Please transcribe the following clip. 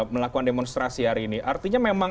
melakukan demonstrasi hari ini artinya memang